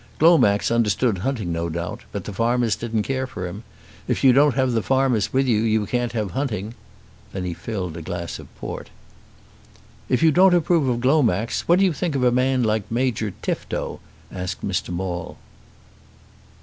Glomax understood hunting no doubt, but the farmers didn't care for him. If you don't have the farmers with you you can't have hunting." Then he filled a glass of port. "If you don't approve of Glomax, what do you think of a man like Major Tifto?" asked Mr. Maule.